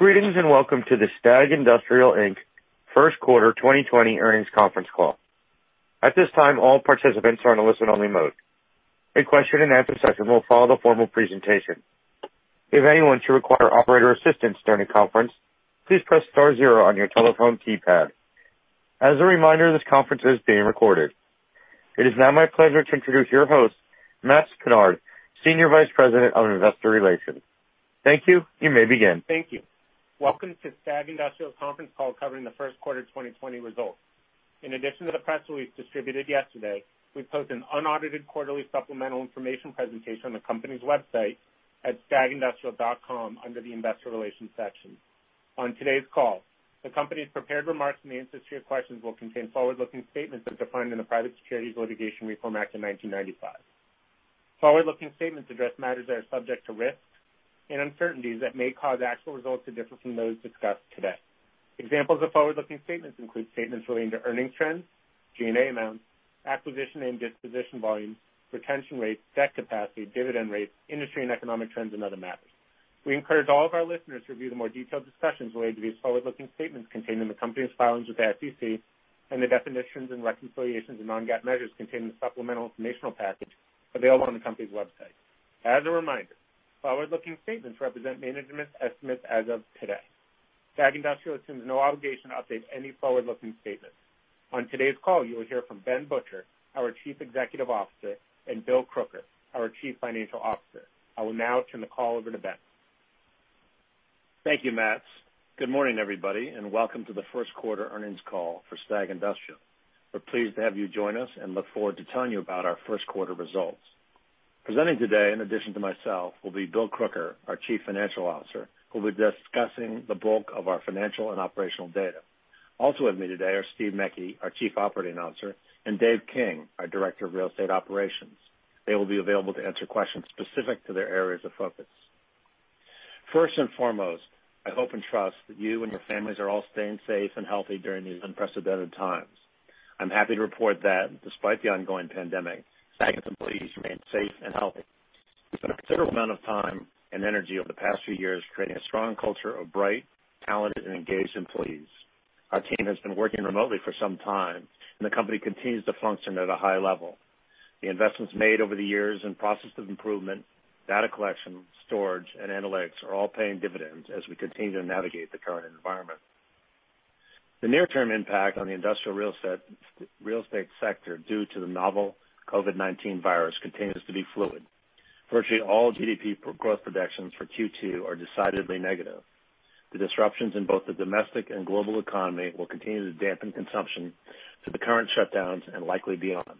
Greetings, welcome to the STAG Industrial, Inc. First Quarter 2020 Earnings Conference Call. At this time, all participants are in a listen-only mode. A question and answer session will follow the formal presentation. If anyone should require operator assistance during the conference, please press star zero on your telephone keypad. As a reminder, this conference is being recorded. It is now my pleasure to introduce your host, Matts Pinard, Senior Vice President of Investor Relations. Thank you. You may begin. Thank you. Welcome to STAG Industrial's conference call covering the first quarter 2020 results. In addition to the press release distributed yesterday, we posted an unaudited quarterly supplemental information presentation on the company's website at stagindustrial.com under the investor relations section. On today's call, the company's prepared remarks in the interest of your questions will contain forward-looking statements as defined in the Private Securities Litigation Reform Act of 1995. Forward-looking statements address matters that are subject to risks and uncertainties that may cause actual results to differ from those discussed today. Examples of forward-looking statements include statements relating to earning trends, G&A amounts, acquisition and disposition volumes, retention rates, debt capacity, dividend rates, industry and economic trends, and other matters. We encourage all of our listeners to review the more detailed discussions related to these forward-looking statements contained in the company's filings with the SEC and the definitions and reconciliations of non-GAAP measures contained in the supplemental informational package available on the company's website. As a reminder, forward-looking statements represent management's estimates as of today. STAG Industrial assumes no obligation to update any forward-looking statements. On today's call, you will hear from Ben Butcher, our Chief Executive Officer, and Bill Crooker, our Chief Financial Officer. I will now turn the call over to Ben. Thank you, Matts. Good morning, everybody, and welcome to the first quarter earnings call for STAG Industrial. We're pleased to have you join us and look forward to telling you about our first quarter results. Presenting today, in addition to myself, will be Bill Crooker, our Chief Financial Officer, who'll be discussing the bulk of our financial and operational data. Also with me today are Steve Mecke, our Chief Operating Officer, and Dave King, our Director of Real Estate Operations. They will be available to answer questions specific to their areas of focus. First and foremost, I hope and trust that you and your families are all staying safe and healthy during these unprecedented times. I'm happy to report that despite the ongoing pandemic, STAG employees remain safe and healthy. We've put a considerable amount of time and energy over the past few years creating a strong culture of bright, talented, and engaged employees. Our team has been working remotely for some time, and the company continues to function at a high level. The investments made over the years in processes of improvement, data collection, storage, and analytics are all paying dividends as we continue to navigate the current environment. The near-term impact on the industrial real estate sector due to the novel COVID-19 virus continues to be fluid. Virtually all GDP growth projections for Q2 are decidedly negative. The disruptions in both the domestic and global economy will continue to dampen consumption through the current shutdowns and likely beyond.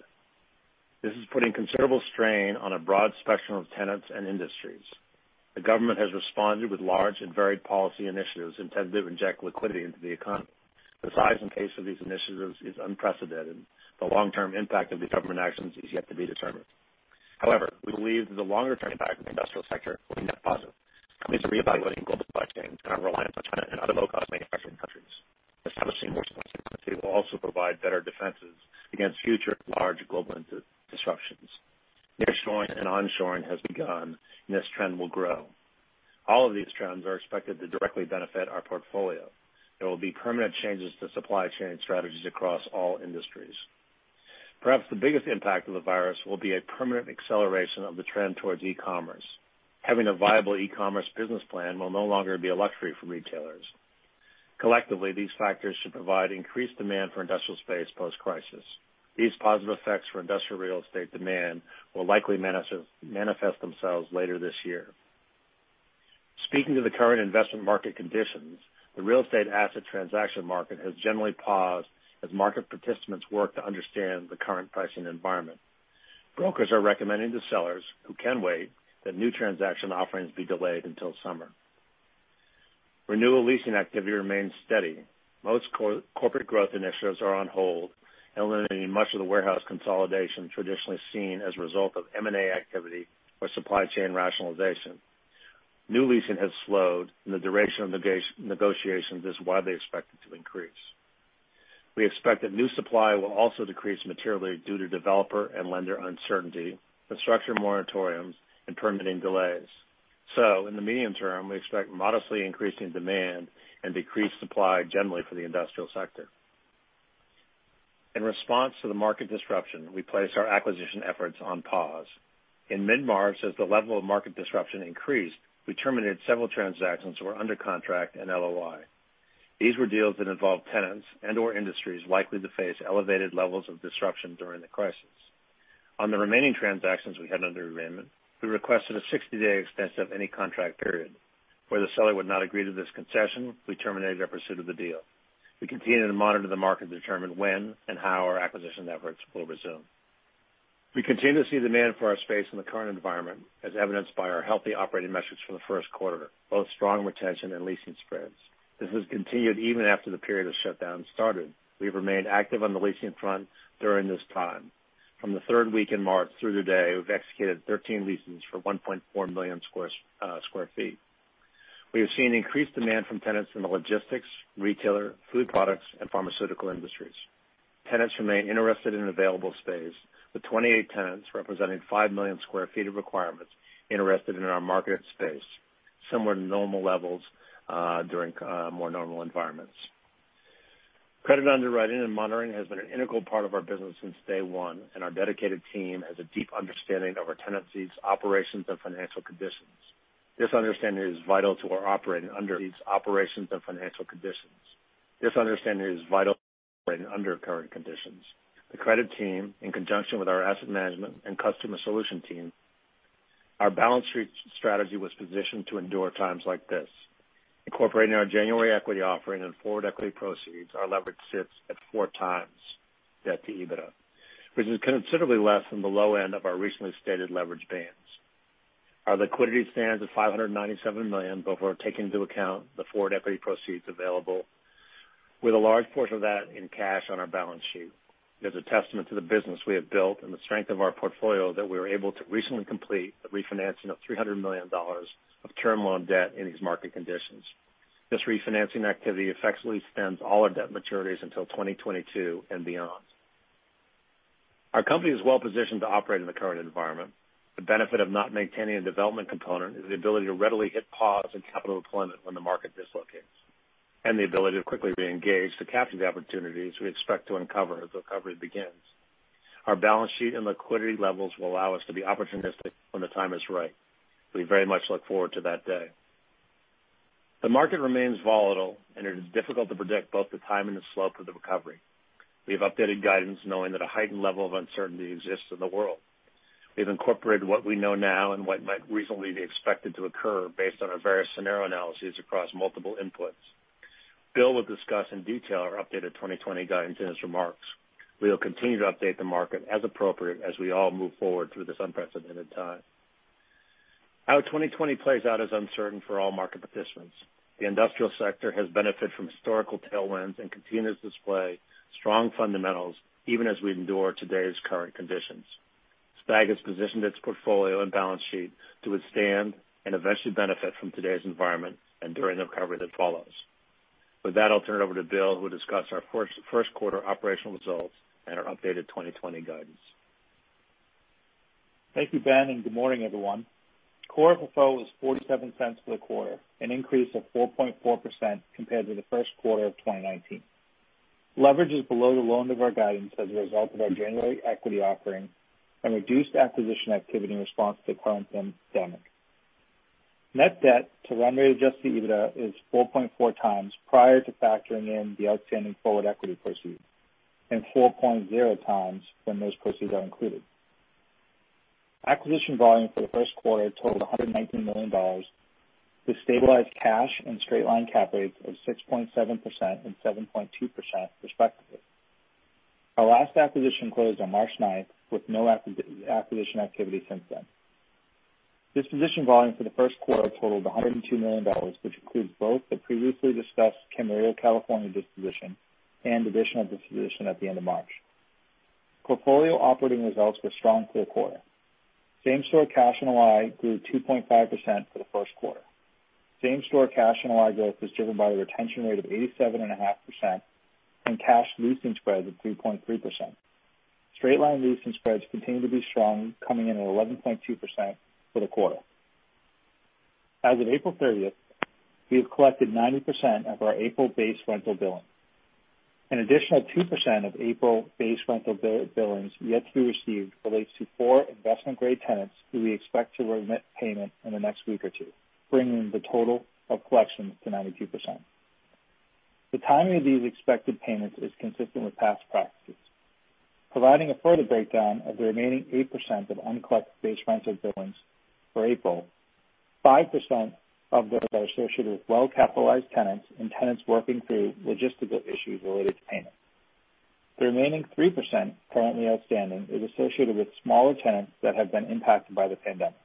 This is putting considerable strain on a broad spectrum of tenants and industries. The government has responded with large and varied policy initiatives intended to inject liquidity into the economy. The size and scale of these initiatives is unprecedented. The long-term impact of these government actions is yet to be determined. However, we believe that the longer-term impact on the industrial sector will be net positive. Companies are reevaluating global supply chains and our reliance on China and other low-cost manufacturing countries. Establishing more supply chain redundancy will also provide better defenses against future large global disruptions. Nearshoring and onshoring has begun, and this trend will grow. All of these trends are expected to directly benefit our portfolio. There will be permanent changes to supply chain strategies across all industries. Perhaps the biggest impact of the virus will be a permanent acceleration of the trend towards e-commerce. Having a viable e-commerce business plan will no longer be a luxury for retailers. Collectively, these factors should provide increased demand for industrial space post-crisis. These positive effects for industrial real estate demand will likely manifest themselves later this year. Speaking to the current investment market conditions, the real estate asset transaction market has generally paused as market participants work to understand the current pricing environment. Brokers are recommending to sellers who can wait that new transaction offerings be delayed until summer. Renewal leasing activity remains steady. Most corporate growth initiatives are on hold, eliminating much of the warehouse consolidation traditionally seen as a result of M&A activity or supply chain rationalization. New leasing has slowed, and the duration of negotiations is widely expected to increase. We expect that new supply will also decrease materially due to developer and lender uncertainty, construction moratoriums, and permitting delays. In the medium term, we expect modestly increasing demand and decreased supply generally for the industrial sector. In response to the market disruption, we placed our acquisition efforts on pause. In mid-March, as the level of market disruption increased, we terminated several transactions that were under contract and LOI. These were deals that involved tenants and/or industries likely to face elevated levels of disruption during the crisis. On the remaining transactions we had under agreement, we requested a 60-day extension of any contract period. Where the seller would not agree to this concession, we terminated our pursuit of the deal. We continue to monitor the market to determine when and how our acquisition efforts will resume. We continue to see demand for our space in the current environment, as evidenced by our healthy operating metrics for the first quarter, both strong retention and leasing spreads. This has continued even after the period of shutdown started. We've remained active on the leasing front during this time. From the third week in March through today, we've executed 13 leases for 1.4 million sq ft. We have seen increased demand from tenants in the logistics, retailer, food products, and pharmaceutical industries. Tenants remain interested in available space, with 28 tenants representing 5 million sq ft of requirements interested in our marketed space, similar to normal levels during more normal environments. Credit underwriting and monitoring has been an integral part of our business since day one, and our dedicated team has a deep understanding of our tenancies, operations, and financial conditions. This understanding is vital to our operating under these operations and financial conditions. This understanding is vital to operating under current conditions. The credit team, in conjunction with our asset management and customer solution team, our balance sheet strategy was positioned to endure times like this. Incorporating our January equity offering and forward equity proceeds, our leverage sits at four times debt to EBITDA, which is considerably less than the low end of our recently stated leverage bands. Our liquidity stands at $597 million, but we're taking into account the forward equity proceeds available with a large portion of that in cash on our balance sheet. It is a testament to the business we have built and the strength of our portfolio that we were able to recently complete the refinancing of $300 million of term loan debt in these market conditions. This refinancing activity effectively extends all our debt maturities until 2022 and beyond. Our company is well positioned to operate in the current environment. The benefit of not maintaining a development component is the ability to readily hit pause on capital deployment when the market dislocates, and the ability to quickly re-engage to capture the opportunities we expect to uncover as recovery begins. Our balance sheet and liquidity levels will allow us to be opportunistic when the time is right. We very much look forward to that day. The market remains volatile and it is difficult to predict both the time and the slope of the recovery. We have updated guidance knowing that a heightened level of uncertainty exists in the world. We have incorporated what we know now and what might reasonably be expected to occur based on our various scenario analyses across multiple inputs. Bill will discuss in detail our updated 2020 guidance in his remarks. We will continue to update the market as appropriate as we all move forward through this unprecedented time. How 2020 plays out is uncertain for all market participants. The industrial sector has benefited from historical tailwinds and continues to display strong fundamentals even as we endure today's current conditions. STAG has positioned its portfolio and balance sheet to withstand and eventually benefit from today's environment and during the recovery that follows. With that, I'll turn it over to Bill, who will discuss our first quarter operational results and our updated 2020 guidance. Thank you, Ben. Good morning, everyone. Core FFO was $0.47 for the quarter, an increase of 4.4% compared to the first quarter of 2019. Leverage is below the low end of our guidance as a result of our January equity offering and reduced acquisition activity in response to the current pandemic. Net debt to run rate adjusted EBITDA is 4.4x prior to factoring in the outstanding forward equity proceeds, and 4.0x when those proceeds are included. Acquisition volume for the first quarter totaled $119 million with stabilized cash and straight line cap rates of 6.7% and 7.2% respectively. Our last acquisition closed on March 9th with no acquisition activity since then. Disposition volume for the first quarter totaled $102 million, which includes both the previously discussed Camarillo, California disposition and additional disposition at the end of March. Portfolio operating results were strong for the quarter. Same store cash NOI grew 2.5% for the first quarter. Same store cash NOI growth was driven by a retention rate of 87.5% and cash leasing spreads of 3.3%. Straight line leasing spreads continue to be strong, coming in at 11.2% for the quarter. As of April 30th, we have collected 90% of our April base rental billing. An additional 2% of April base rental billings yet to be received relates to four investment-grade tenants who we expect to remit payment in the next week or two, bringing the total of collections to 92%. The timing of these expected payments is consistent with past practices. Providing a further breakdown of the remaining 8% of uncollected base rental billings for April, 5% of those are associated with well-capitalized tenants and tenants working through logistical issues related to payment. The remaining 3% currently outstanding is associated with smaller tenants that have been impacted by the pandemic.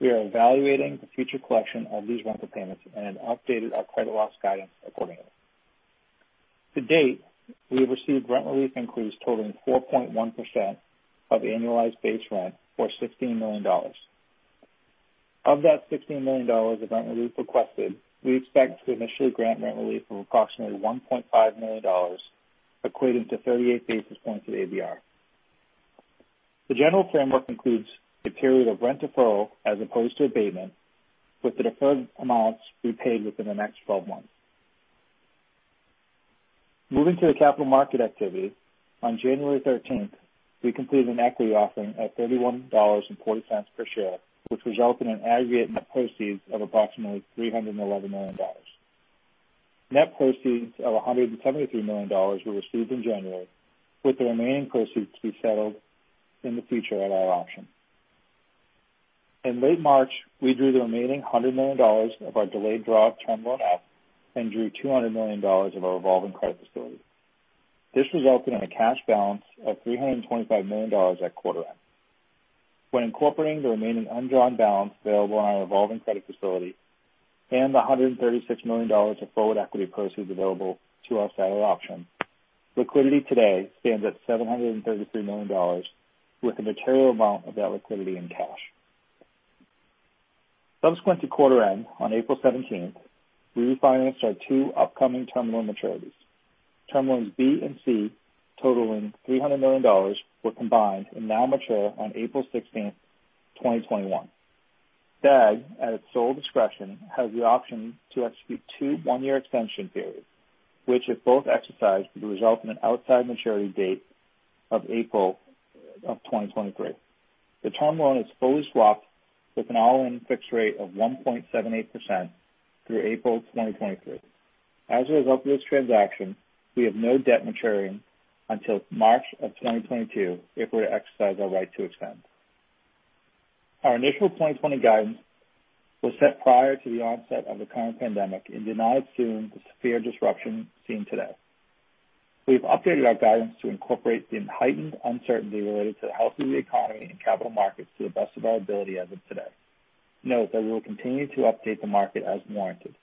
We are evaluating the future collection of these rental payments and have updated our credit loss guidance accordingly. To date, we have received rent relief inquiries totaling 4.1% of annualized base rent, or $16 million. Of that $16 million of rent relief requested, we expect to initially grant rent relief of approximately $1.5 million, equating to 38 basis points of ABR. The general framework includes a period of rent deferral as opposed to abatement, with the deferred amounts to be paid within the next 12 months. Moving to the capital market activity, on January 13th, we completed an equity offering at $31.40 per share, which resulted in aggregate net proceeds of approximately $311 million. Net proceeds of $173 million were received in January, with the remaining proceeds to be settled in the future at our option. In late March, we drew the remaining $100 million of our delayed draw term loan F and drew $200 million of our revolving credit facility. This resulted in a cash balance of $325 million at quarter end. When incorporating the remaining undrawn balance available on our revolving credit facility and the $136 million of forward equity proceeds available to us at our option, liquidity today stands at $733 million with a material amount of that liquidity in cash. Subsequent to quarter end on April 17th, we refinanced our two upcoming term loan maturities. Term loans B and C, totaling $300 million, were combined and now mature on April 16th, 2021. STAG, at its sole discretion, has the option to execute two one-year extension periods, which, if both exercised, would result in an outside maturity date of April of 2023. The term loan is fully swapped with an all-in fixed rate of 1.78% through April 2023. As a result of this transaction, we have no debt maturing until March of 2022 if we're to exercise our right to extend. Our initial 2020 guidance was set prior to the onset of the current pandemic and did not assume the severe disruption seen today. We've updated our guidance to incorporate the heightened uncertainty related to the health of the economy and capital markets to the best of our ability as of today. Note that we will continue to update the market as warranted.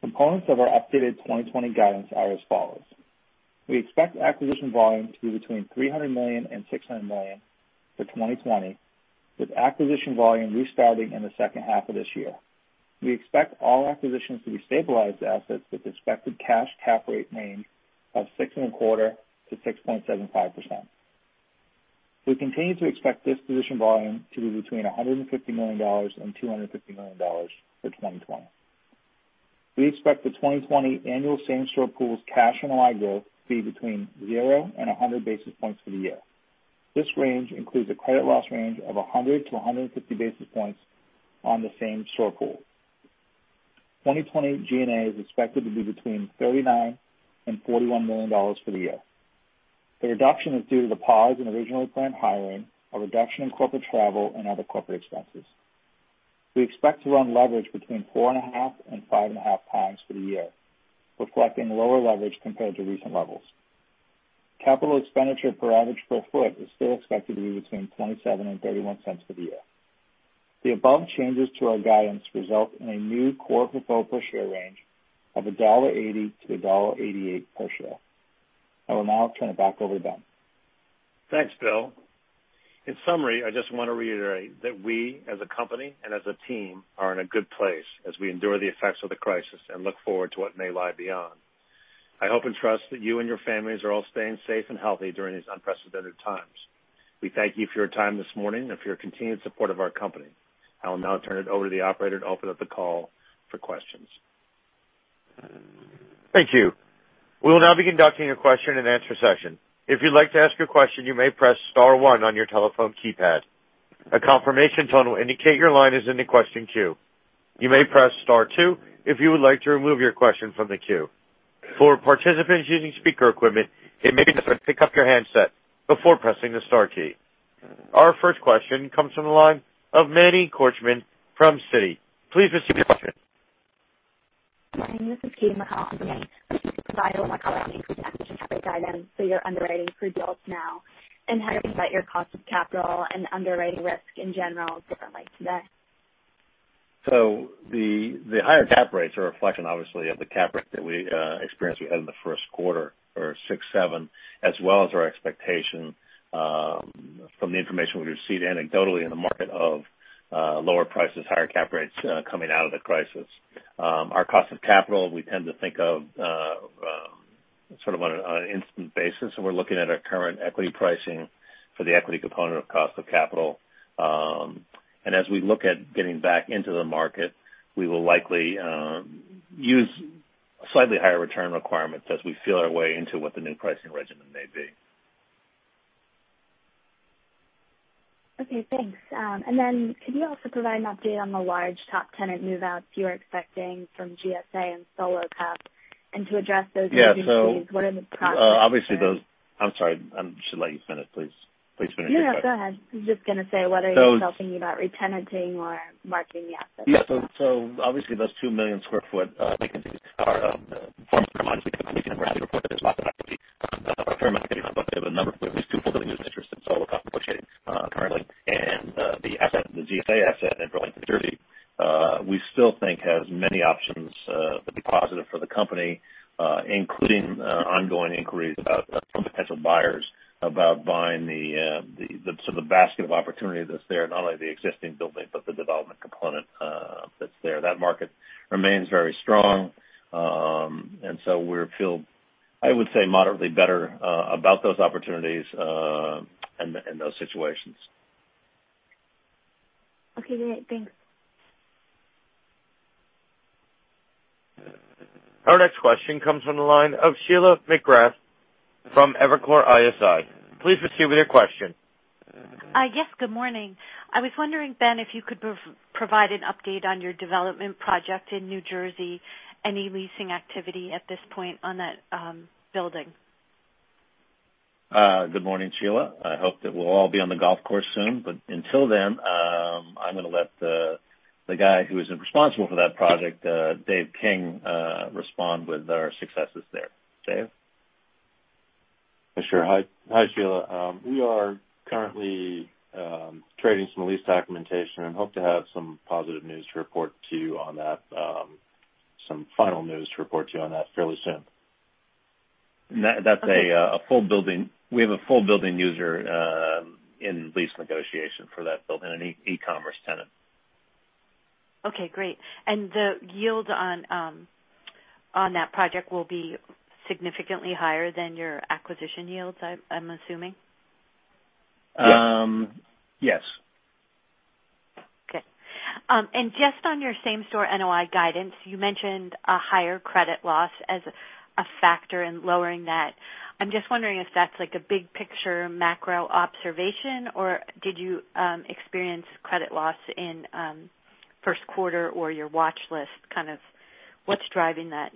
Components of our updated 2020 guidance are as follows: We expect acquisition volume to be between $300 million-$600 million for 2020, with acquisition volume restarting in the second half of this year. We expect all acquisitions to be stabilized assets with expected cash cap rate range of 6.25%-6.75%. We continue to expect disposition volume to be between $150 million-$250 million for 2020. We expect the 2020 annual same-store pools cash NOI growth to be between zero and 100 basis points for the year. This range includes a credit loss range of 100-150 basis points on the same-store pool. 2020 G&A is expected to be between $39 million-$41 million for the year. The reduction is due to the pause in originally planned hiring, a reduction in corporate travel, and other corporate expenses. We expect to run leverage between 4.5 and 5.5 times for the year, reflecting lower leverage compared to recent levels. Capital expenditure per average per foot is still expected to be between $0.27 and $0.31 for the year. The above changes to our guidance result in a new core portfolio per share range of $1.80-$1.88 per share. I will now turn it back over to Ben. Thanks, Bill. In summary, I just want to reiterate that we, as a company and as a team, are in a good place as we endure the effects of the crisis and look forward to what may lie beyond. I hope and trust that you and your families are all staying safe and healthy during these unprecedented times. We thank you for your time this morning and for your continued support of our company. I will now turn it over to the operator to open up the call for questions. Thank you. We will now be conducting a question and answer session. If you'd like to ask a question, you may press star one on your telephone keypad. A confirmation tone will indicate your line is in the question queue. You may press star two if you would like to remove your question from the queue. For participants using speaker equipment, it may be necessary to pick up your handset before pressing the star key. Our first question comes from the line of Manny Korchman from Citi. Please proceed with your question. Hi, this is Katy McConnell from Citi. Can you provide a little more color on the increased acquisition cap rate guidance for your underwriting for deals now? How do you think that your cost of capital and underwriting risk in general is different today? The higher cap rates are a reflection, obviously, of the cap rate that we experienced in the first quarter for 6/7, as well as our expectation from the information we received anecdotally in the market of lower prices, higher cap rates coming out of the crisis. Our cost of capital, we tend to think of sort of on an instant basis, and we're looking at our current equity pricing for the equity component of cost of capital. As we look at getting back into the market, we will likely use slightly higher return requirements as we feel our way into what the new pricing regimen may be. Okay, thanks. Could you also provide an update on the large top tenant move-outs you are expecting from GSA and Solo Cup? To address those vacancies- Yeah. What are the process there? I'm sorry. I should let you finish. Please finish your question. No, go ahead. I was just going to say, what are you still thinking about re-tenanting or marketing the assets? Yeah. Obviously those 2 million square foot vacancies are far from monetized. We can report that there's lots of equity, a fair amount of equity on the books, but a number with at least two buildings interest in Solo Cup, which currently, and the asset, the GSA asset in Berlin, New Jersey we still think has many options that would be positive for the company including ongoing inquiries about some potential buyers about buying the sort of basket of opportunities that's there, not only the existing building but the development component that's there. That market remains very strong. We feel, I would say, moderately better about those opportunities in those situations. Okay, great. Thanks. Our next question comes from the line of Sheila McGrath from Evercore ISI. Please proceed with your question. Yes, good morning. I was wondering, Ben, if you could provide an update on your development project in New Jersey. Any leasing activity at this point on that building? Good morning, Sheila. I hope that we'll all be on the golf course soon, but until then I'm going to let the guy who has been responsible for that project, Dave King respond with our successes there. Dave? Sure. Hi, Sheila. We are currently trading some lease documentation and hope to have some positive news to report to you on that, some final news to report to you on that fairly soon. We have a full building user in lease negotiation for that building, an e-commerce tenant. Okay, great. The yield on that project will be significantly higher than your acquisition yields, I'm assuming? Yes. Okay. Just on your same-store NOI guidance, you mentioned a higher credit loss as a factor in lowering that. I'm just wondering if that's like a big-picture macro observation, or did you experience credit loss in first quarter or your watchlist kind of What's driving that?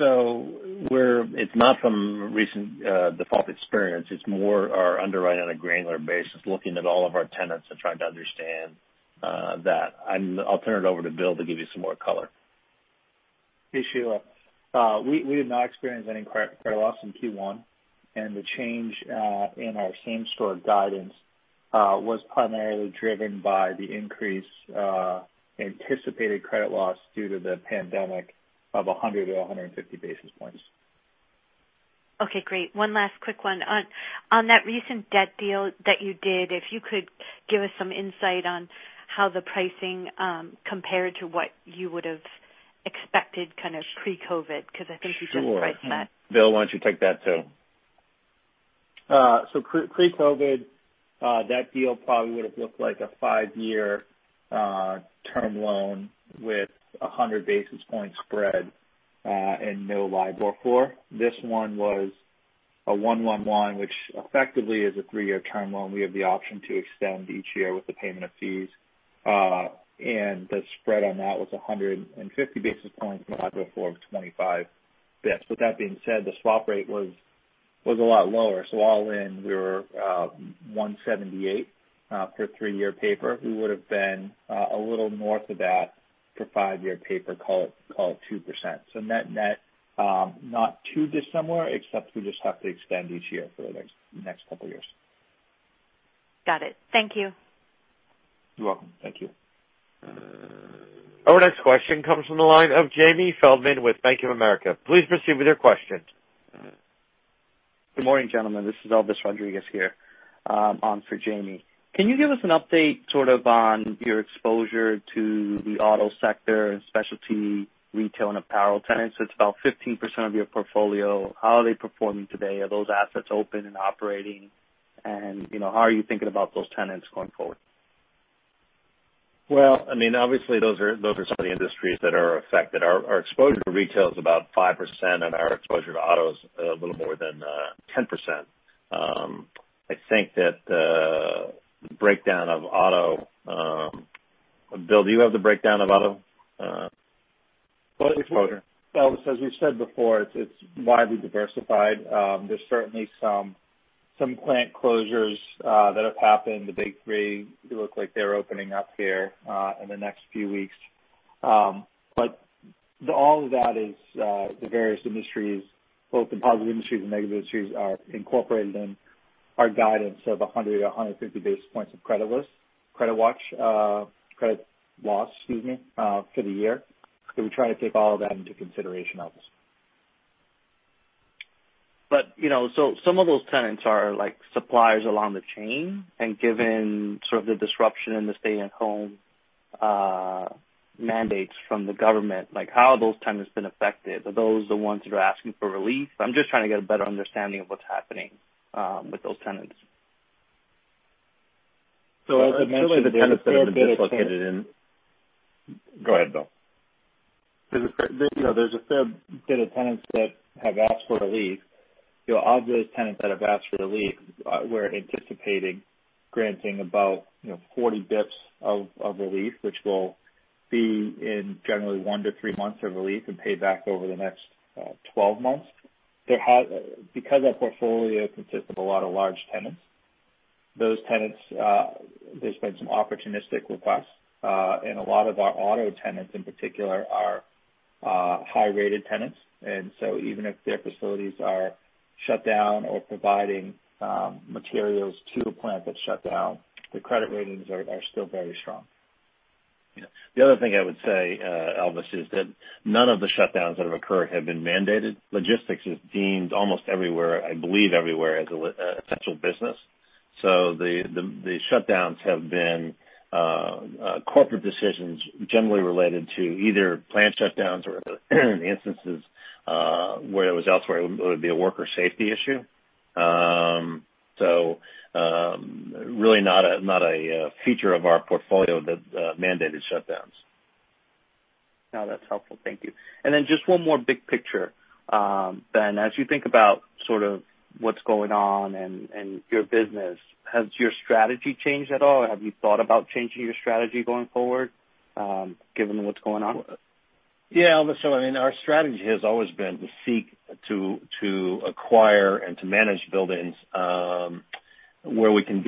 It's not from recent default experience. It's more our underwriting on a granular basis, looking at all of our tenants and trying to understand that. I'll turn it over to Bill to give you some more color. Hey, Sheila. We did not experience any credit loss in Q1. The change in our same-store guidance was primarily driven by the increased anticipated credit loss due to the pandemic of 100 to 150 basis points. Okay, great. One last quick one. On that recent debt deal that you did, if you could give us some insight on how the pricing compared to what you would have expected kind of pre-COVID-19, because I think you just priced that. Sure. Bill, why don't you take that, too? Pre-COVID, that deal probably would've looked like a five-year term loan with 100 basis point spread, and no LIBOR floor. This one was a one-one-one, which effectively is a three-year term loan. We have the option to extend each year with the payment of fees. The spread on that was 150 basis points with a LIBOR floor of 25 basis points. With that being said, the swap rate was a lot lower. All in, we were 178 for three-year paper. We would've been a little north of that for five-year paper, call it 2%. Net net, not too dissimilar, except we just have to extend each year for the next couple of years. Got it. Thank you. You're welcome. Thank you. Our next question comes from the line of Jamie Feldman with Bank of America. Please proceed with your question. Good morning, gentlemen. This is Elvis Rodriguez here, on for Jamie. Can you give us an update sort of on your exposure to the auto sector and specialty retail and apparel tenants? It's about 15% of your portfolio. How are they performing today? Are those assets open and operating? How are you thinking about those tenants going forward? Well, obviously those are some of the industries that are affected. Our exposure to retail is about 5%, and our exposure to auto is a little more than 10%. I think that the breakdown of auto, Bill, do you have the breakdown of auto exposure? Elvis, as we've said before, it's widely diversified. There's certainly some plant closures that have happened. The Big Three look like they're opening up here in the next few weeks. All of that is the various industries, both the positive industries and negative industries, are incorporated in our guidance of 100 to 150 basis points of credit loss for the year, because we try to take all of that into consideration, Elvis. Some of those tenants are suppliers along the chain, and given sort of the disruption in the stay-at-home mandates from the government, how have those tenants been affected? Are those the ones that are asking for relief? I'm just trying to get a better understanding of what's happening with those tenants. As we mentioned, there's a fair bit of tenants. There's a fair- Go ahead, Bill. There's a fair bit of tenants that have asked for relief. Of those tenants that have asked for relief, we're anticipating granting about 40 basis points of relief, which will be in generally one to three months of relief and paid back over the next 12 months. Our portfolio consists of a lot of large tenants, those tenants, there's been some opportunistic requests. A lot of our auto tenants in particular are high-rated tenants. Even if their facilities are shut down or providing materials to the plant that's shut down, the credit ratings are still very strong. Yeah. The other thing I would say, Elvis, is that none of the shutdowns that have occurred have been mandated. Logistics is deemed almost everywhere, I believe everywhere, as an essential business. The shutdowns have been corporate decisions generally related to either plant shutdowns or instances where it was elsewhere, it would be a worker safety issue. Really not a feature of our portfolio, the mandated shutdowns. No, that's helpful. Thank you. Just one more big picture, Ben. As you think about sort of what's going on and your business, has your strategy changed at all? Have you thought about changing your strategy going forward given what's going on? Yeah, Elvis. Our strategy has always been to seek to acquire and to manage buildings where we can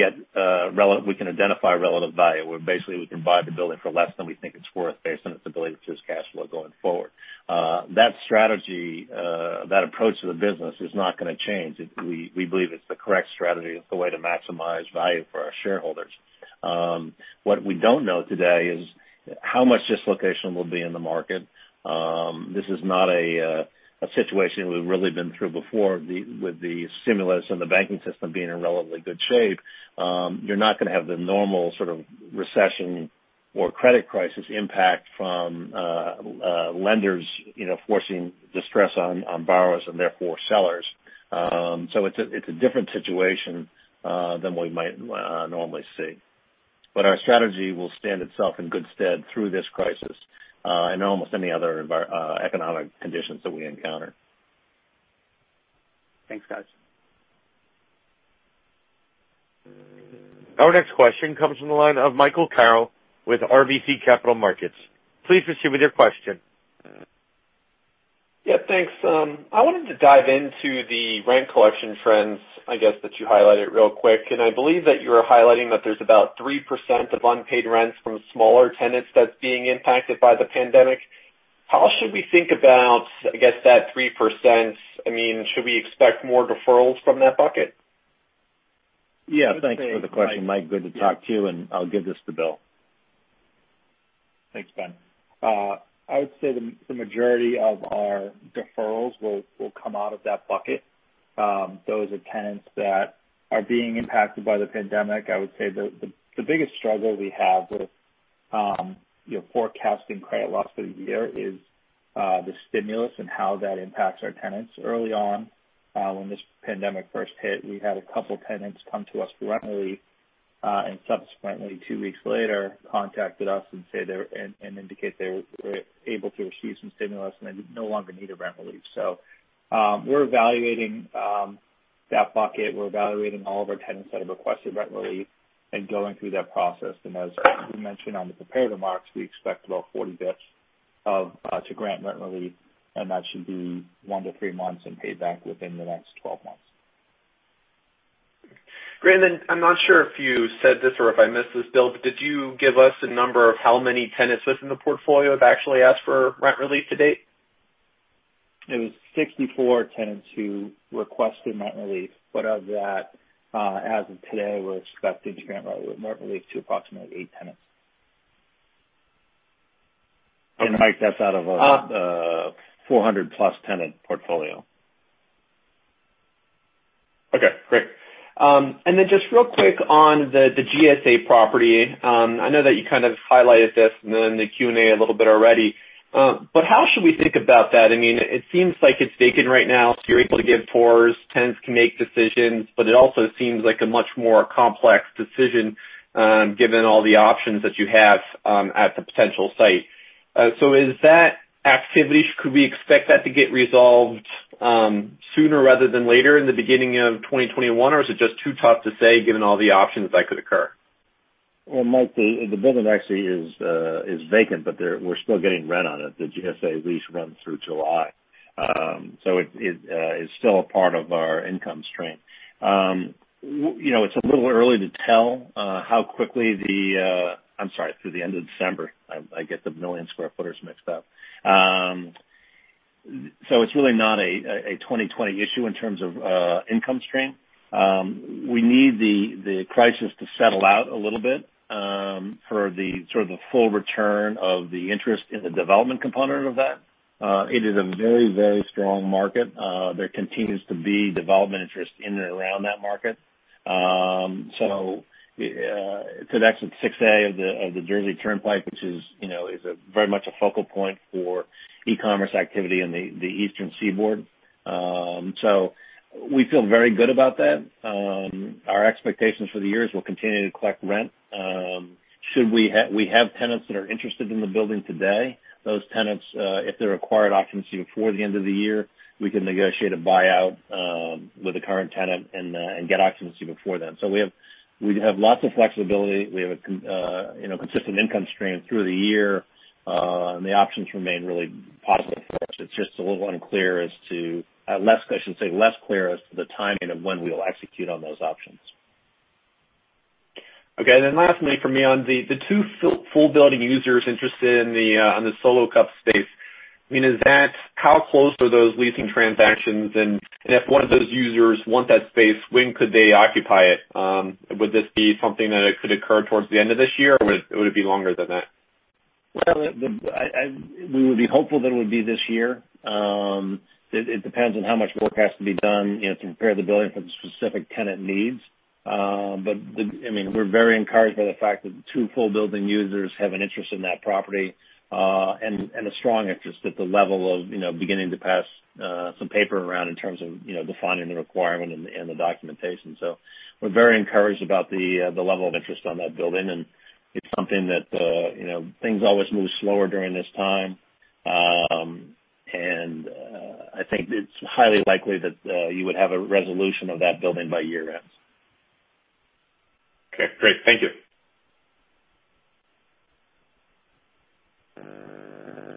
identify relative value, where basically we can buy the building for less than we think it's worth based on its ability to produce cash flow going forward. That approach to the business is not going to change. We believe it's the correct strategy. It's the way to maximize value for our shareholders. What we don't know today is how much dislocation will be in the market. This is not a situation we've really been through before with the stimulus and the banking system being in relatively good shape. You're not going to have the normal sort of recession or credit crisis impact from lenders forcing distress on borrowers and therefore sellers. It's a different situation than we might normally see. Our strategy will stand itself in good stead through this crisis and almost any other economic conditions that we encounter. Thanks, guys. Our next question comes from the line of Michael Carroll with RBC Capital Markets. Please proceed with your question. Yeah, thanks. I wanted to dive into the rent collection trends, I guess, that you highlighted real quick. I believe that you're highlighting that there's about 3% of unpaid rents from smaller tenants that's being impacted by the pandemic. How should we think about that 3%? Should we expect more deferrals from that bucket? Yeah. Thanks for the question, Mike. Good to talk to you, and I'll give this to Bill. Thanks, Ben. I would say the majority of our deferrals will come out of that bucket. Those are tenants that are being impacted by the pandemic. I would say the biggest struggle we have with forecasting credit loss for the year is the stimulus and how that impacts our tenants. Early on, when this pandemic first hit, we had a couple tenants come to us for rent relief. Subsequently, two weeks later, contacted us and indicated they were able to receive some stimulus and they no longer need a rent relief. We're evaluating that bucket. We're evaluating all of our tenants that have requested rent relief and going through that process. As we mentioned on the prepared remarks, we expect about 40 basis points to grant rent relief, and that should be one to three months and paid back within the next 12 months. Great. I'm not sure if you said this or if I missed this, Bill, did you give us a number of how many tenants within the portfolio have actually asked for rent relief to date? It was 64 tenants who requested rent relief. Of that, as of today, we're expecting to grant rent relief to approximately eight tenants. Mike, that's out of a 400+ tenant portfolio. Okay, great. Just real quick on the GSA property. I know that you kind of highlighted this in the Q&A a little bit already. How should we think about that? It seems like it's vacant right now, so you're able to give tours, tenants can make decisions, but it also seems like a much more complex decision given all the options that you have at the potential site. Could we expect that to get resolved sooner rather than later in the beginning of 2021? Is it just too tough to say given all the options that could occur? Well, Mike, the building actually is vacant, we're still getting rent on it. The GSA lease runs through July. It's still a part of our income stream. It's a little early to tell how quickly the I'm sorry, through the end of December. I get the million square footers mixed up. It's really not a 2020 issue in terms of income stream. We need the crisis to settle out a little bit for the full return of the interest in the development component of that. It is a very, very strong market. There continues to be development interest in and around that market. It connects with 6A of the Jersey Turnpike, which is very much a focal point for e-commerce activity in the Eastern Seaboard. We feel very good about that. Our expectations for the year is we'll continue to collect rent. We have tenants that are interested in the building today. Those tenants, if they require occupancy before the end of the year, we can negotiate a buyout with the current tenant and get occupancy before then. We have lots of flexibility. We have a consistent income stream through the year. The options remain really positive. It's just less clear as to the timing of when we'll execute on those options. Okay, then last thing for me on the two full building users interested in the Solo Cup space. How close are those leasing transactions? If one of those users want that space, when could they occupy it? Would this be something that could occur towards the end of this year, or would it be longer than that? We would be hopeful that it would be this year. It depends on how much work has to be done to prepare the building for the specific tenant needs. We're very encouraged by the fact that two full building users have an interest in that property and a strong interest at the level of beginning to pass some paper around in terms of defining the requirement and the documentation. We're very encouraged about the level of interest on that building, and it's something that things always move slower during this time. I think it's highly likely that you would have a resolution of that building by year-end. Okay, great. Thank you.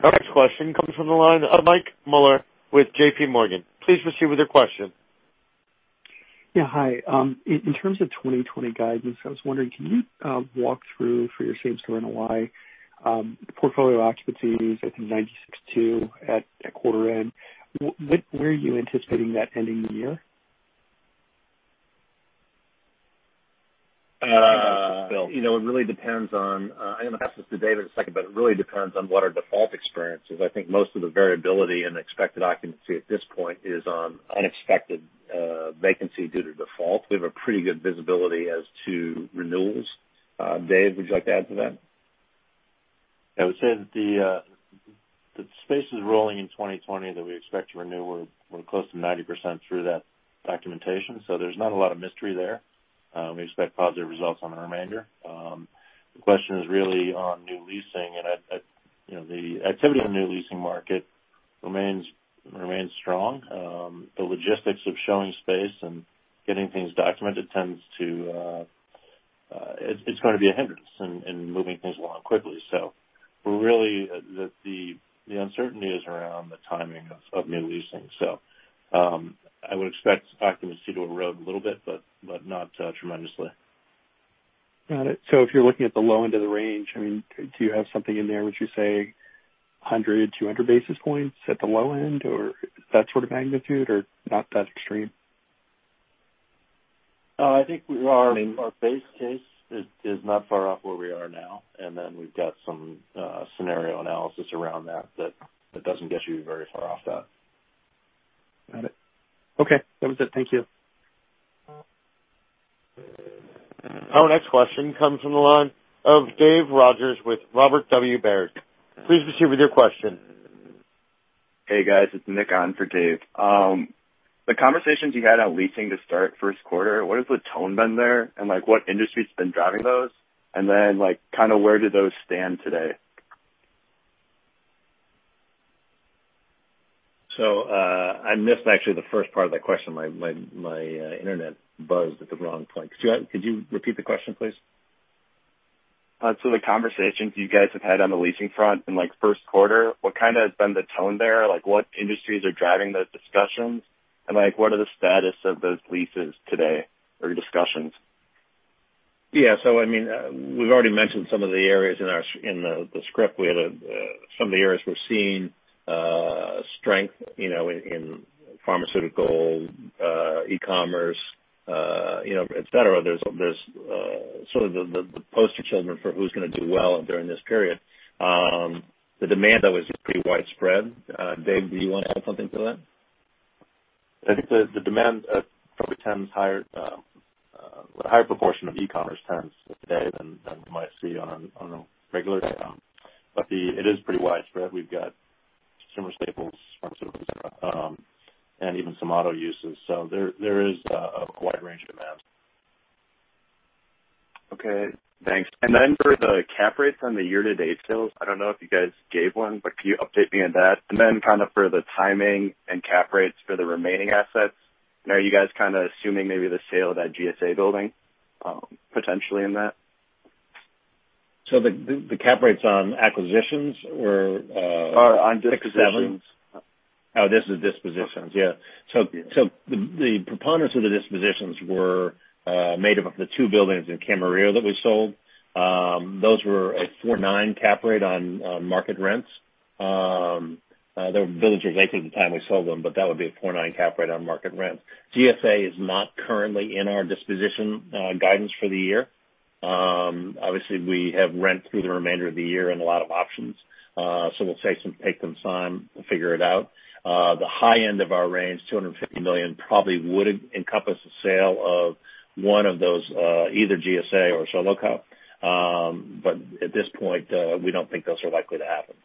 Our next question comes from the line of Mike Mueller with JPMorgan. Please proceed with your question. Yeah, hi. In terms of 2020 guidance, I was wondering, can you walk through for your same-store NOI, the portfolio occupancy is I think 96.2 at quarter end. Where are you anticipating that ending the year? Bill. It really depends on I'm going to pass this to Dave in a second, but it really depends on what our default experience is. I think most of the variability in expected occupancy at this point is on unexpected vacancy due to default. We have a pretty good visibility as to renewals. Dave, would you like to add to that? I would say that the spaces rolling in 2020 that we expect to renew, we're close to 90% through that documentation, so there's not a lot of mystery there. We expect positive results on the remainder. The question is really on new leasing, and the activity on the new leasing market remains strong. The logistics of showing space and getting things documented, it's going to be a hindrance in moving things along quickly. Really, the uncertainty is around the timing of new leasing. I would expect occupancy to erode a little bit, but not tremendously. Got it. If you're looking at the low end of the range, do you have something in there? Would you say 100, 200 basis points at the low end or that sort of magnitude, or not that extreme? I think our base case is not far off where we are now, and then we've got some scenario analysis around that doesn't get you very far off that. Got it. Okay. That was it. Thank you. Our next question comes from the line of Dave Rodgers with Robert W. Baird. Please proceed with your question. Hey, guys. It's Nick on for Dave. The conversations you had on leasing to start first quarter, what has the tone been there, and what industry's been driving those? Where do those stand today? I missed actually the first part of that question. My internet buzzed at the wrong point. Could you repeat the question, please? The conversations you guys have had on the leasing front in first quarter, what has been the tone there? What industries are driving those discussions, and what are the status of those leases today or discussions? We've already mentioned some of the areas in the script. We had some of the areas we're seeing strength in pharmaceutical, e-commerce, et cetera. There's sort of the poster children for who's going to do well during this period. The demand though is pretty widespread. Dave, do you want to add something to that? I think the demand probably tends higher. A higher proportion of e-commerce tends today than we might see on a regular day. It is pretty widespread. We've got consumer staples, pharmaceuticals, et cetera, and even some auto uses. There is a wide range of demand. Okay. Thanks. For the cap rates on the year-to-date sales, I don't know if you guys gave one, but can you update me on that? For the timing and cap rates for the remaining assets, are you guys assuming maybe the sale of that GSA building potentially in that? The cap rates on acquisitions. On dispositions. six or seven? Oh, this is dispositions. Yeah. The preponderance of the dispositions were made of the two buildings in Camarillo that we sold. Those were a 4.9 cap rate on market rents. They were built or vacant at the time we sold them, but that would be a 4.9 cap rate on market rents. GSA is not currently in our disposition guidance for the year. Obviously, we have rent through the remainder of the year and a lot of options. We'll take some time to figure it out. The high end of our range, $250 million, probably would encompass the sale of one of those, either GSA or Solo Cup. At this point, we don't think those are likely to happen.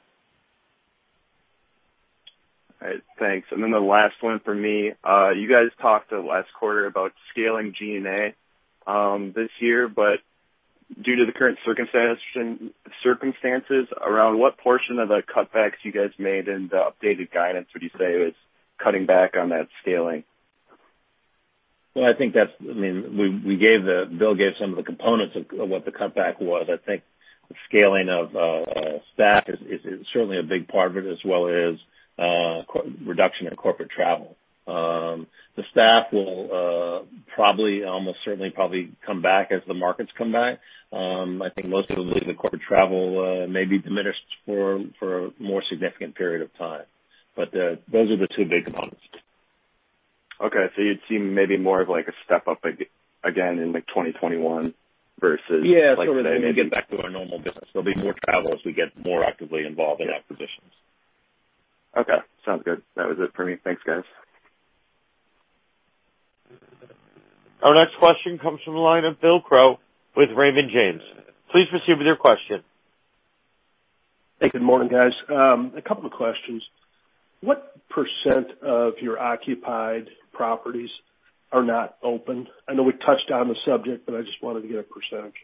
All right. Thanks. The last one from me. You guys talked last quarter about scaling G&A this year, but due to the current circumstances, around what portion of the cutbacks you guys made in the updated guidance would you say was cutting back on that scaling? Bill gave some of the components of what the cutback was. I think the scaling of staff is certainly a big part of it, as well as reduction in corporate travel. The staff will almost certainly probably come back as the markets come back. I think most of the corporate travel may be diminished for a more significant period of time. Those are the two big components. Okay. you'd see maybe more of like a step up again in 2021 versus- Yeah. Something like that. Maybe get back to our normal business. There'll be more travel as we get more actively involved in acquisitions. Okay. Sounds good. That was it for me. Thanks, guys. Our next question comes from the line of Bill Crow with Raymond James. Please proceed with your question. Hey, good morning, guys. A couple of questions. What percent of your occupied properties are not open? I know we touched on the subject, I just wanted to get a percentage.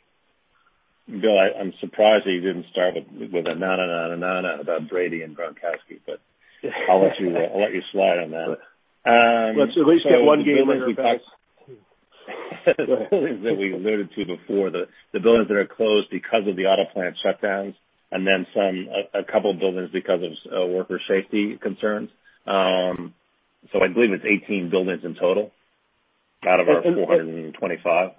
Bill, I'm surprised that you didn't start with a na-na-na-na-na-na about Brady and Gronkowski. I'll let you slide on that. Let's at least get one game winner, guys. The buildings that we alluded to before, the buildings that are closed because of the auto plant shutdowns, and then a couple buildings because of worker safety concerns. I believe it's 18 buildings in total, out of our 425.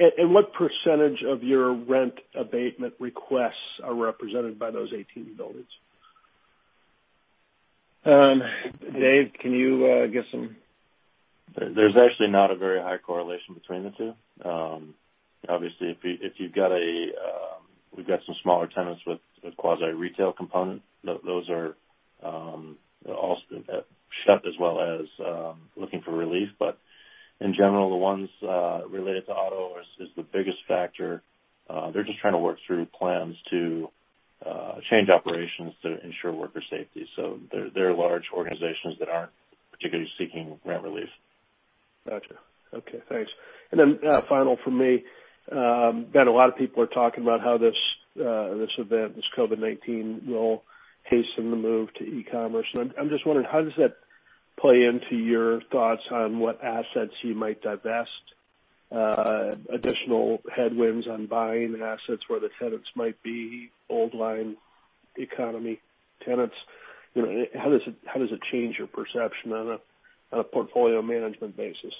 What percentage of your rent abatement requests are represented by those 18 buildings? Dave, can you give some There's actually not a very high correlation between the two. Obviously, we've got some smaller tenants with quasi-retail component. Those are all shut as well as looking for relief. In general, the ones related to auto is the biggest factor. They're just trying to work through plans to change operations to ensure worker safety. They're large organizations that aren't particularly seeking rent relief. Got you. Okay, thanks. Final from me. Ben, a lot of people are talking about how this event, this COVID-19, will hasten the move to e-commerce. I'm just wondering, how does that play into your thoughts on what assets you might divest, additional headwinds on buying assets where the tenants might be old line economy tenants? How does it change your perception on a portfolio management basis?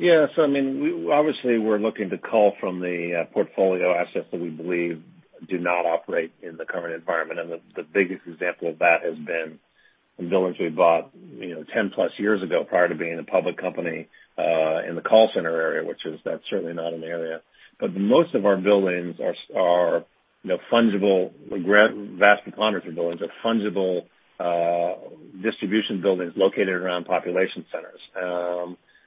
I mean, obviously, we're looking to call from the portfolio assets that we believe do not operate in the current environment. The biggest example of that has been some buildings we bought 10+ years ago, prior to being a public company, in the call center area, which that's certainly not an area. Most of our buildings are fungible. A vast preponderance of buildings are fungible distribution buildings located around population centers.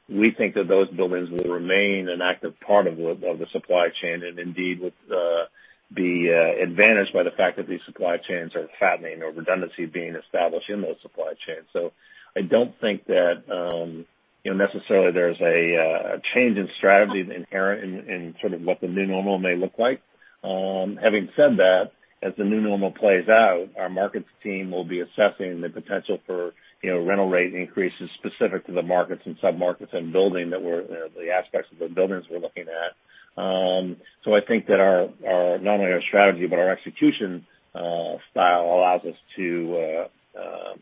We think that those buildings will remain an active part of the supply chain and indeed would be advantaged by the fact that these supply chains are fattening or redundancy being established in those supply chains. I don't think that necessarily there's a change in strategy inherent in sort of what the new normal may look like. Having said that, as the new normal plays out, our markets team will be assessing the potential for rental rate increases specific to the markets and sub-markets and the aspects of the buildings we're looking at. I think that not only our strategy, but our execution style allows us to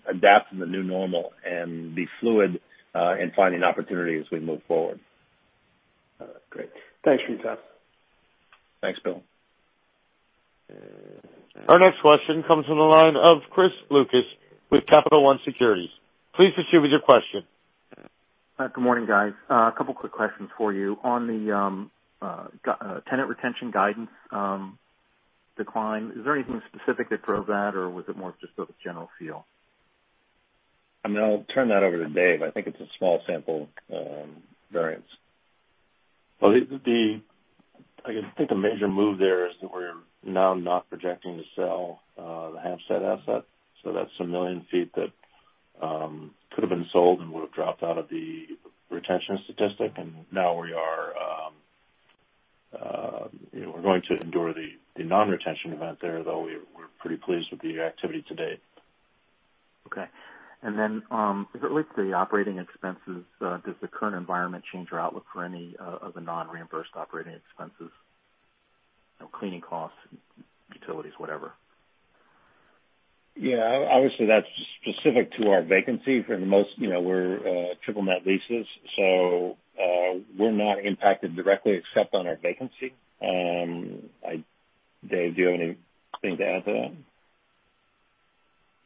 adapt to the new normal and be fluid in finding opportunities as we move forward. Great. Thanks for your time. Thanks, Bill. Our next question comes from the line of Chris Lucas with Capital One Securities. Please proceed with your question. Good morning, guys. A couple quick questions for you. On the tenant retention guidance decline, is there anything specific that drove that, or was it more just sort of general feel? I mean, I'll turn that over to Dave. I think it's a small sample variance. I think the major move there is that we're now not projecting to sell the Hampstead asset. That's 1 million feet that could've been sold and would've dropped out of the retention statistic. Now we're going to endure the non-retention event there, though we're pretty pleased with the activity to date. Okay. With the operating expenses, does the current environment change your outlook for any of the non-reimbursed operating expenses? Cleaning costs, utilities, whatever. Yeah. Obviously, that's specific to our vacancy. We're triple net leases. We're not impacted directly except on our vacancy. Dave, do you have anything to add to that?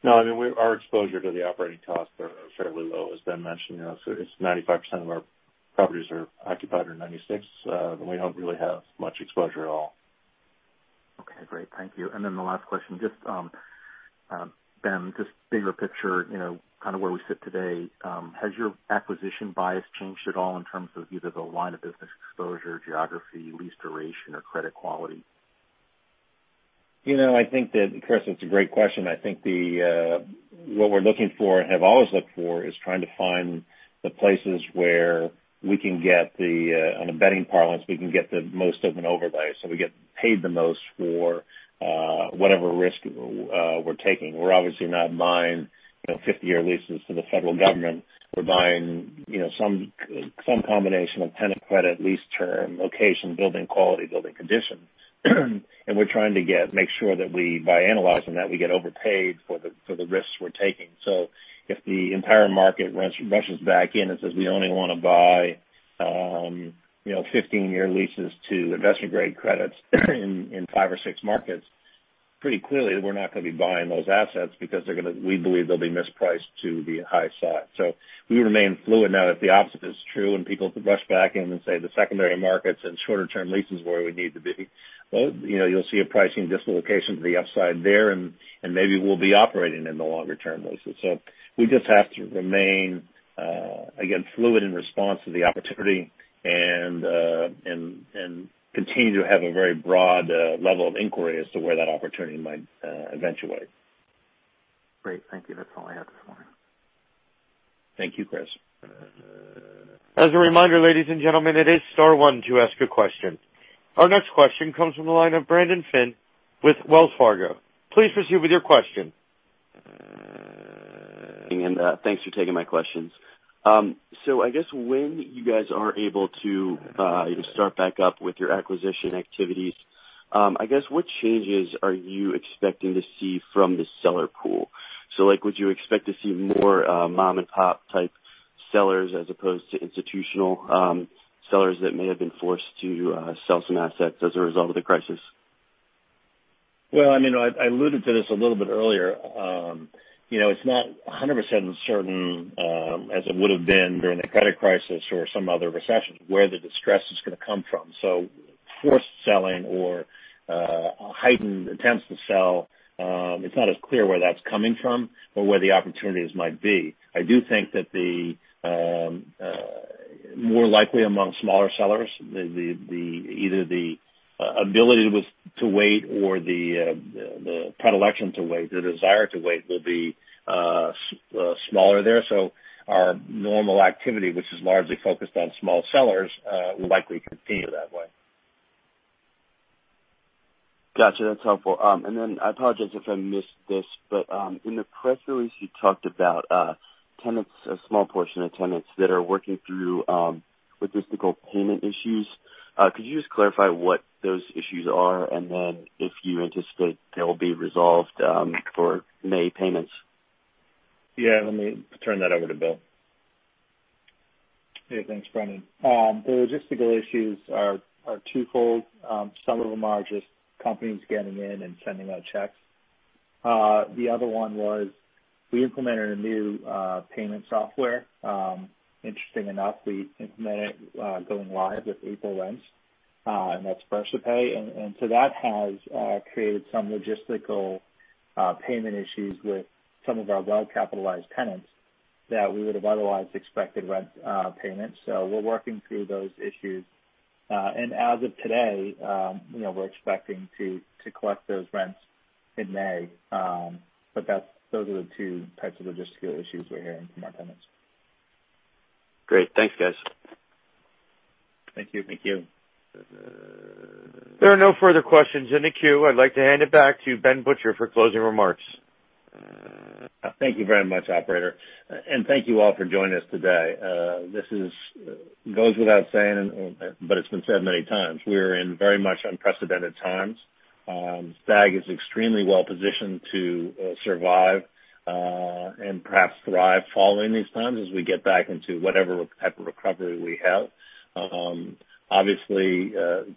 No. I mean, our exposure to the operating costs are fairly low, as Ben mentioned. 95% of our properties are occupied, or 96%, but we don't really have much exposure at all. Okay, great. Thank you. The last question. Ben, just bigger picture, kind of where we sit today, has your acquisition bias changed at all in terms of either the line of business exposure, geography, lease duration, or credit quality? Chris, that's a great question. I think what we're looking for, and have always looked for, is trying to find the places where we can get the, on a betting parlance, we can get the most open overbuy. We get paid the most for whatever risk we're taking. We're obviously not buying 50-year leases to the federal government. We're buying some combination of tenant credit, lease term, location, building quality, building condition. We're trying to make sure that by analyzing that, we get overpaid for the risks we're taking. If the entire market rushes back in and says, "We only want to buy 15-year leases to investment-grade credits in five or six markets," pretty clearly, we're not going to be buying those assets because we believe they'll be mispriced to the high side. We remain fluid. If the opposite is true, and people rush back in and say the secondary market's in shorter term leases where we need to be, well, you'll see a pricing dislocation to the upside there, and maybe we'll be operating in the longer term leases. We just have to remain, again, fluid in response to the opportunity and continue to have a very broad level of inquiry as to where that opportunity might eventuate. Great. Thank you. That's all I had this morning. Thank you, Chris. As a reminder, ladies and gentlemen, it is star one to ask a question. Our next question comes from the line of Brendan Finn with Wells Fargo. Please proceed with your question. Thanks for taking my questions. I guess when you guys are able to start back up with your acquisition activities, I guess, what changes are you expecting to see from the seller pool? Would you expect to see more mom-and-pop type sellers as opposed to institutional sellers that may have been forced to sell some assets as a result of the crisis? Well, I alluded to this a little bit earlier. It's not 100% certain, as it would have been during the credit crisis or some other recession, where the distress is going to come from. Forced selling or heightened attempts to sell, it's not as clear where that's coming from or where the opportunities might be. I do think that the more likely among smaller sellers, either the ability to wait or the predilection to wait, the desire to wait, will be smaller there. Our normal activity, which is largely focused on small sellers, will likely continue that way. Got you. That's helpful. I apologize if I missed this, but in the press release, you talked about a small portion of tenants that are working through logistical payment issues. Could you just clarify what those issues are, and then if you anticipate they'll be resolved for May payments? Yeah. Let me turn that over to Bill. Thanks, Brendan. The logistical issues are twofold. Some of them are just companies getting in and sending out checks. The other one was we implemented a new payment software. Interesting enough, we implemented it going live with April rents, and that's FreshPay. That has created some logistical payment issues with some of our well-capitalized tenants that we would have otherwise expected rent payments. We're working through those issues. As of today, we're expecting to collect those rents in May. Those are the two types of logistical issues we're hearing from our tenants. Great. Thanks, guys. Thank you. Thank you. There are no further questions in the queue. I'd like to hand it back to Ben Butcher for closing remarks. Thank you very much, operator. Thank you all for joining us today. This goes without saying, but it's been said many times, we're in very much unprecedented times. STAG is extremely well-positioned to survive, and perhaps thrive following these times as we get back into whatever type of recovery we have. Obviously,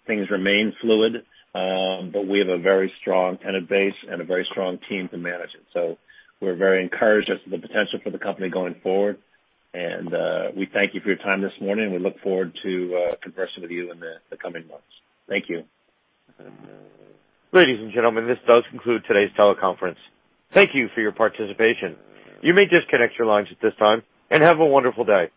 things remain fluid, but we have a very strong tenant base and a very strong team to manage it. We're very encouraged as to the potential for the company going forward. We thank you for your time this morning. We look forward to conversing with you in the coming months. Thank you. Ladies and gentlemen, this does conclude today's teleconference. Thank you for your participation. You may disconnect your lines at this time, and have a wonderful day.